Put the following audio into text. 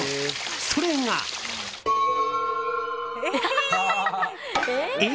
それが。え？